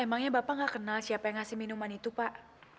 emangnya bapak nggak kenal siapa yang ngasih minuman itu pak